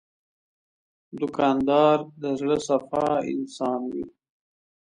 دوکاندار د زړه صفا انسان وي.